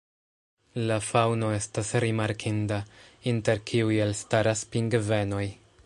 La faŭno estas rimarkinda, inter kiuj elstaras pingvenoj.